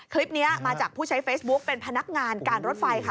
คลิปนี้มาจากผู้ใช้เฟซบุ๊คเป็นพนักงานการรถไฟค่ะ